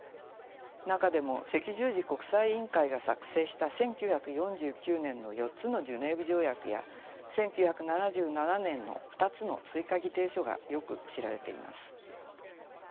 中でも赤十字国際委員会が作成した１９４９年の４つのジュネーブ条約や１９７７年の２つの追加議定書がよく知られています。